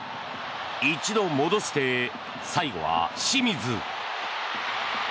一度戻して、最後は清水。